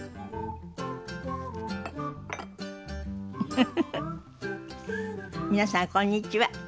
フフフフ皆さんこんにちは。